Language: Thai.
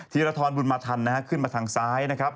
ธีรทรบุญมาทันนะฮะขึ้นมาทางซ้ายนะครับ